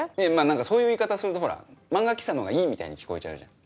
何かそういう言い方するとほら漫画喫茶のほうがいいみたいに聞こえちゃうじゃん。